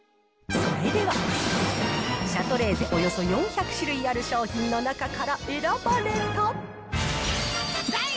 それでは、シャトレーゼおよそ４００種類ある商品の中から選ばれた。